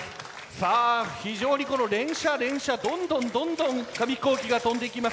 さあ非常にこの連射連射どんどんどんどん紙飛行機が飛んでいきます。